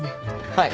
はい。